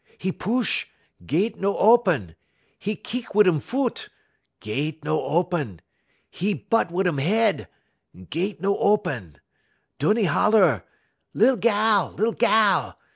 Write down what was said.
'E push, gett no open; 'e keek wit' um fut, gett no open; 'e butt wit' um head, gett no open. Dun 'e holler: "'Lil gal, lil gal!